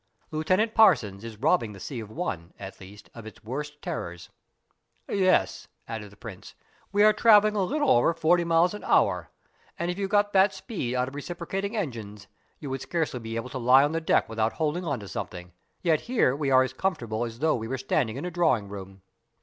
Lieutenant Parsons is robbing the sea of one, at least, of its worst terrors." "Yes," added the Prince, "we are travelling a little over forty miles an hour; and if you got that speed out of reciprocating engines you would scarcely be able to lie on the deck without holding on to something, yet here we are as comfortable as though we were standing in a drawing room."